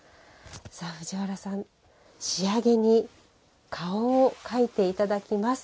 藤原さん、仕上げに顔を描いていただきます。